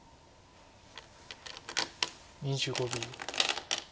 ２５秒。